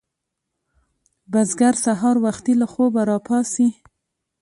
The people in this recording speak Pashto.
بزګر سهار وختي له خوبه راپاڅي